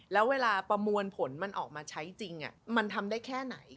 แล้วเวลาประมวลผลมันออกมาใช้จริงมันทำได้แค่ไหน